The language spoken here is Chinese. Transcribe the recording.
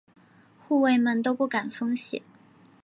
护卫们都不敢松懈。